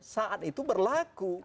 saat itu berlaku